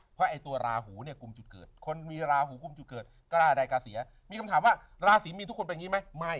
เพราะไอ้ตัวราหูเนี่ยกลุ่มจุดเกิดคนมีราหูกลุ่มจุดเกิดกล้าได้กล้าเสียมีคำถามว่าราศีมีนทุกคนเป็นอย่างนี้ไหมไม่